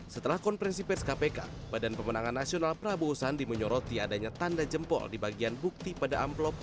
setelah konferensi pers kpk badan pemenangan nasional prabowo sandi menyoroti adanya tanda jempol di bagian bukti pada amplop